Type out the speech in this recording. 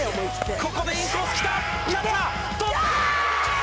ここでインコースきた。